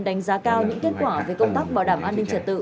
đánh giá cao những kết quả về công tác bảo đảm an ninh trật tự